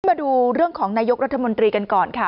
มาดูเรื่องของนายกรัฐมนตรีกันก่อนค่ะ